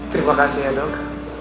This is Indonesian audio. terima kasih ya dok